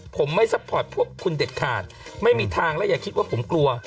ผมไม่ซัพพอร์ตพวกคุณเด็ดขาดไม่มีทางและอย่าคิดว่าผมกลัว